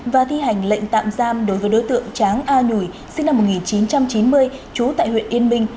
và thi hành lệnh tạm giam đối với đối tượng tráng a nhủi sinh năm một nghìn chín trăm chín mươi trú tại huyện yên minh